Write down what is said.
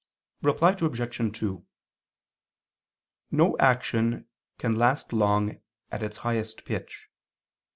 Reply Obj. 2: No action can last long at its highest pitch.